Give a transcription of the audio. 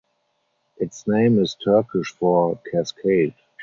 Its name is Turkish for "cascade".